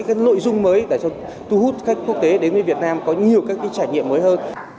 những cái nội dung mới để cho thu hút các quốc tế đến với việt nam có nhiều cái trải nghiệm mới hơn